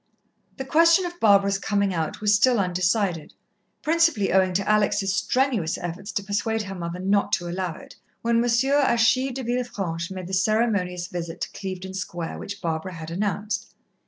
The question of Barbara's coming out was still undecided, principally owing to Alex's strenuous efforts to persuade her mother not to allow it, when M. Achille de Villefranche made the ceremonious visit to Clevedon Square which Barbara had announced.